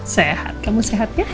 sehat kamu sehat ya